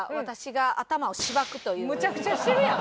むちゃくちゃしてるやん！